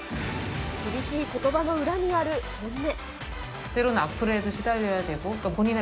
厳しいことばの裏にある本音。